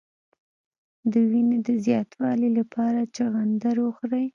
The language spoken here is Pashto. د وینې د زیاتوالي لپاره چغندر وخورئ